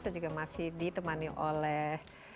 saya juga masih ditemani oleh